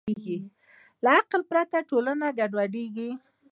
له عقل پرته ټولنه ګډوډېږي.